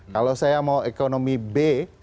kalau saya mau ekonomi b